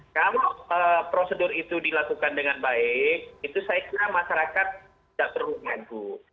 kalau prosedur itu dilakukan dengan baik itu saya kira masyarakat tidak perlu maju